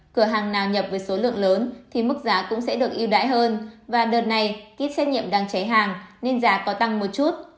cửa hàng nào nhập với số lượng lớn thì mức giá cũng sẽ được yêu đãi hơn và đợt này kýt xét nghiệm đang cháy hàng nên giá có tăng một chút